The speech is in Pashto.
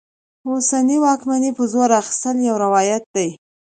اوسنۍ واکمنۍ په زور اخیستل یو روایت دی.